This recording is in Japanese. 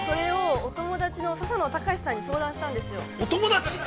◆お友達？